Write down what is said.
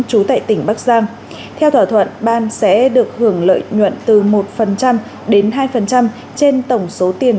trú tại tỉnh bắc giang theo thỏa thuận ban sẽ được hưởng lợi nhuận từ một đến hai trên tổng số tiền